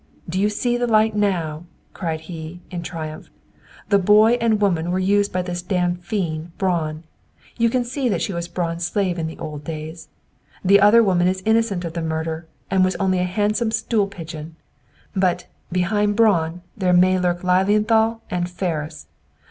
"Do you see the light now?" he cried, in triumph. "The boy and woman were used by this damned fiend, Braun. You can see that she was Braun's slave in the old days. The other woman is innocent of the murder, and was only a handsome stool pigeon! But, behind Braun, there may lurk Lilienthal and Ferris!